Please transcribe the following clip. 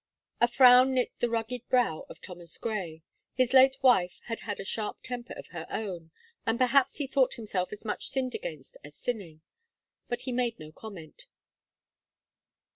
A frown knit the rugged brow of Thomas Gray. His late wife had had a sharp temper of her own; and perhaps he thought himself as much sinned against as sinning. But he made no comment.